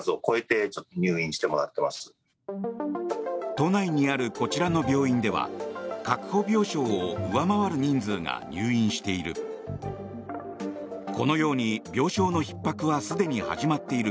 都内にあるこちらの病院では確保病床を上回る人数が入院している。